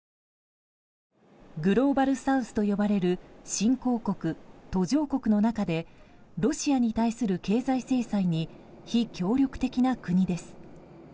グローバルサウスと呼ばれる新興国・途上国の中でロシアに対する経済制裁に非協力的な国です。